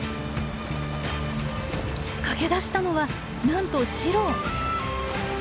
駆け出したのはなんとシロ。